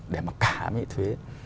để mà cả những cái thuế